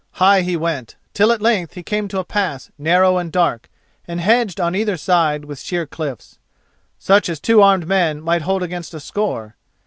High he went, till at length he came to a pass narrow and dark and hedged on either side with sheer cliffs, such as two armed men might hold against a score.